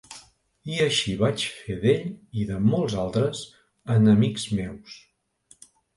I així vaig fer d'ell i de molts altres, enemics meus.